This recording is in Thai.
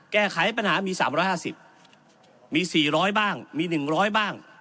แก้ไขปัญหามี๓๕๐มี๔๐๐บ้างมี๑๐๐บ้าง